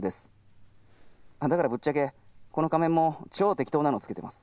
だからぶっちゃけこの仮面も超適当なのをつけてます。